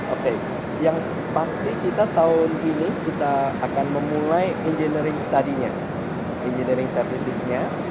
oke yang pasti kita tahun ini kita akan memulai engineering study nya engineering servicesnya